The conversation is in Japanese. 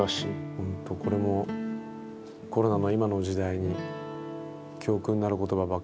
本当これもコロナの今の時代に教訓になる言葉ばっかりだ。